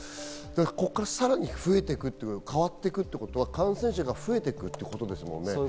ここからさらに増えていく、変わっていくということは感染者が増えていくってことですもんね。